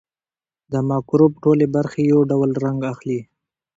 د مکروب ټولې برخې یو ډول رنګ اخلي.